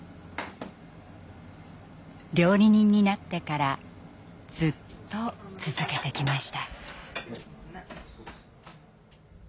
料理人になってからずっと続けてきました。